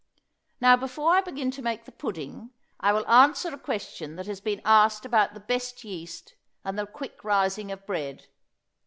Now before I begin to make the pudding I will answer a question that has been asked about the best yeast and the quick rising of bread.